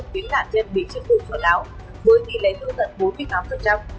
khiến nạn nhân bị chết bụng chuẩn áo với tỷ lệ tương tận bốn mươi tám trăm trăm